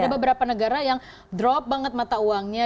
ada beberapa negara yang drop banget mata uangnya